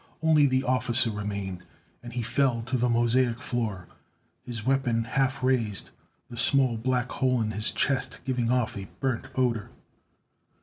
Only the officer remained, and he fell to the mosaic floor, his weapon half raised, the small black hole in his chest giving off a burnt odor.